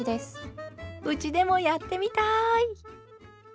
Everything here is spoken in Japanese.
うちでもやってみたい！